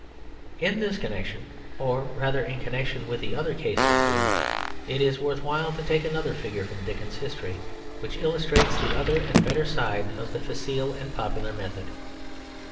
In this connection, or rather in connection with the other case of Froude, it is worth while to take another figure from Dickens's history, which illustrates the other and better side of the facile and popular method.